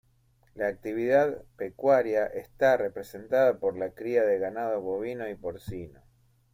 La actividad pecuaria está representada por la cría de ganado bovino y porcino.